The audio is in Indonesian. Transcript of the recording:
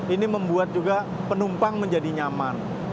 ini membuat juga penumpang menjadi nyaman